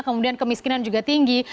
kemudian kemiskinan juga tinggi